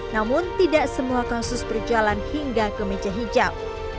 namun tidak semua kasus berjalan hingga ke meja hijau